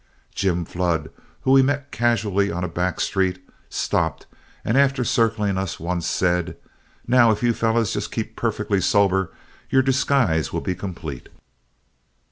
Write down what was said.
Jim Flood, whom we met casually on a back street, stopped, and after circling us once, said, "Now if you fellows just keep perfectly sober, your disguise will be complete."